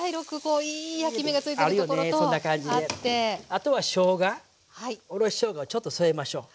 あとはしょうがおろししょうがをちょっと添えましょう。